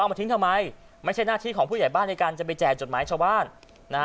มาทิ้งทำไมไม่ใช่หน้าที่ของผู้ใหญ่บ้านในการจะไปแจกจดหมายชาวบ้านนะฮะ